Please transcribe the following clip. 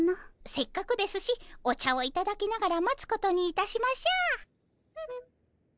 せっかくですしお茶をいただきながら待つことにいたしましょう。